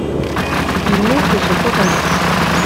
Il montre son pantalon.